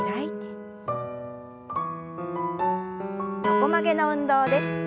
横曲げの運動です。